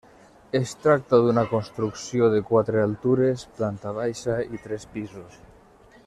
Es tracta d'una construcció de quatre altures, planta baixa i tres pisos.